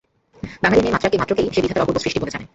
বাঙালির মেয়েমাত্রকেই সে বিধাতার অপূর্ব সৃষ্টি বলে জানে।